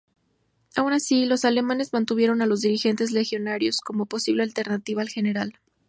Aun así, los alemanes mantuvieron a los dirigentes legionarios como posible alternativa al general.